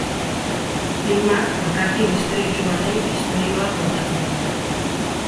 Filmak bakarti misteriotsu baten istorioa kontatzen du.